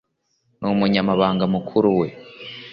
N umunyamabanga mukuru wa